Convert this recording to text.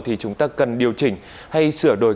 thì chúng ta cần điều chỉnh hay sửa đổi